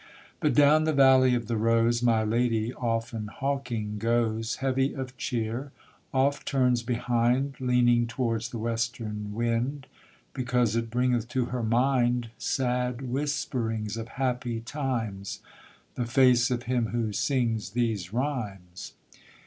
But down the Valley of the Rose My lady often hawking goes, Heavy of cheer; oft turns behind, Leaning towards the western wind, Because it bringeth to her mind Sad whisperings of happy times, The face of him who sings these rhymes.